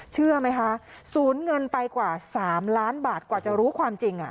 เชื่อไหมคะสูญเงินไปกว่า๓ล้านบาทกว่าจะรู้ความจริง